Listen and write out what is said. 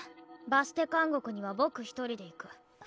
バステ監獄には僕一人で行く。